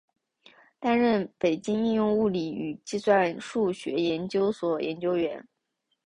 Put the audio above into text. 担任北京应用物理与计算数学研究所研究员。